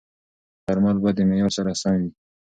درمل باید د معیار سره سم وي.